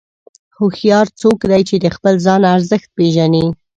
هوښیار څوک دی چې د خپل ځان ارزښت پېژني.